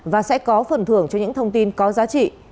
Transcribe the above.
và sẽ có phần thưởng cho những thông tin có giá trị